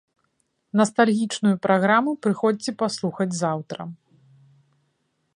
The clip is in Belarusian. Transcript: Настальгічную праграму прыходзьце паслухаць заўтра.